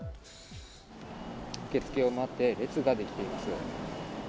受け付けを待って列が出来ています。